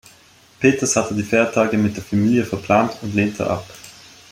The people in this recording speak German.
Peters hatte die Feiertage mit der Familie verplant und lehnte ab.